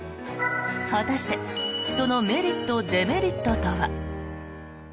果たして、そのメリット、デメリットとは。